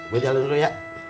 gue jalan dulu ya